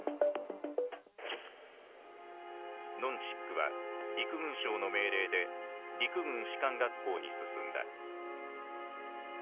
ノン・チックは陸軍省の命令で陸軍士官学校に進んだ。